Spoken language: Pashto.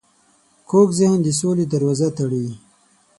کوږ ذهن د سولې دروازه تړي